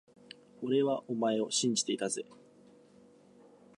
俺はお前を信じていたぜ…